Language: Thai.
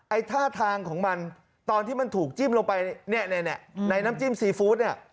ท่าทางของมันตอนที่มันถูกจิ้มลงไปเนี่ยในน้ำจิ้มซีฟู้ดเนี่ย